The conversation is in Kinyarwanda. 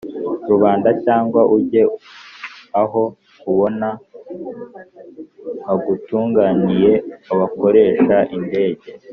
rubanda cyangwa ujye aho ubona hagutunganiye abakoresha indege